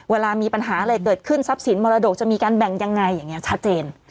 เวลามีปัญหาอะไรเกิดขึ้นทรัพย์สินมรดกจะมีการแบ่งยังไงอย่างนี้ชัดเจน